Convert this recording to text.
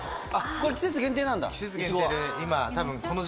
これ季節限定なんだイチゴは。